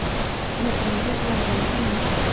mẹ nói vậy là ý gì